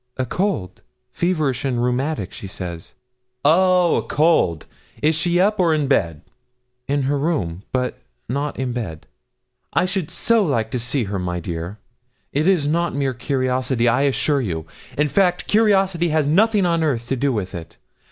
'A cold feverish and rheumatic, she says.' 'Oh, a cold; is she up, or in bed?' 'In her room, but not in bed.' 'I should so like to see her, my dear. It is not mere curiosity, I assure you. In fact, curiosity has nothing on earth to do with it.